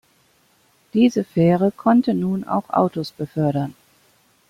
Diese Fähre konnte nun auch Autos befördern.